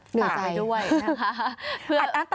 เหนื่อยใจสายด้วยนะคะ